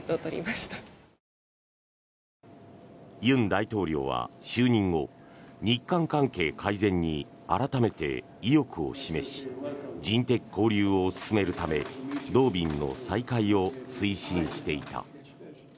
尹大統領は就任後、日韓関係改善に改めて意欲を示し人的交流を進めるため同便の再開を推進していた。